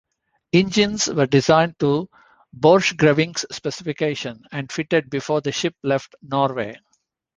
Engines were designed to Borchgrevink's specification, and fitted before the ship left Norway.